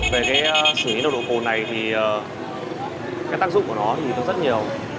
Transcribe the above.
về cái xử lý đầu độc hồ này thì cái tác dụng của nó thì rất nhiều